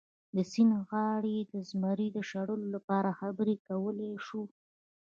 د سیند غاړې د زمري د شړلو لپاره خبرې کولی شو.